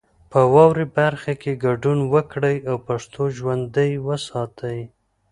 په واورئ برخه کې ګډون وکړئ او پښتو ژوندۍ وساتئ.